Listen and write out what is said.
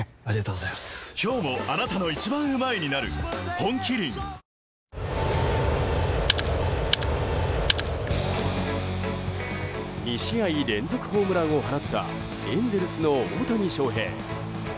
本麒麟２試合連続ホームランを放ったエンゼルスの大谷翔平。